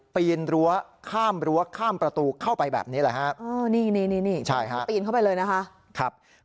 ปีนรั้วข้ามรั้วข้ามประตูเข้าไปแบบนี้แหละครับ